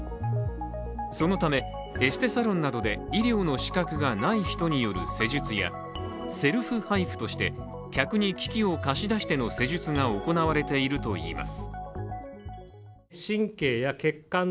そのため、エステサロンなどで医療の資格がない人による施術やセルフＨＩＦＵとして、客に機器を貸し出しての施術が行われているといいます。